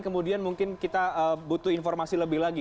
kemudian mungkin kita butuh informasi lebih lagi